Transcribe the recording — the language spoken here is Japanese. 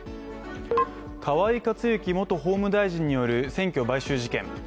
河井克行元法務大臣による選挙買収事件。